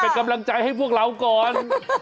เป็นกำลังใจให้พวกเราก่อน